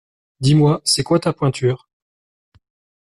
Dis-moi, c'est quoi ta pointure?